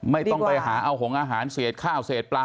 ไม่ต้องไปหาเอาของอาหารเสียดข้าวเสียดปลา